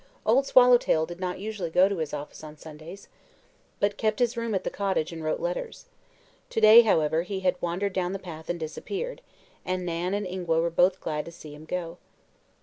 Old Swallowtail did not usually go to his office on Sundays, but kept his room at the cottage and wrote letters. To day, however, he had wandered down the path and disappeared, and Nan and Ingua were both glad to see him go.